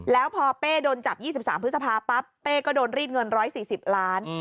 แล้วพอเป้โดนจับ๒๓พฤษภาปั๊บเป้ก็โดนรีดเงิน๑๔๐ล้าน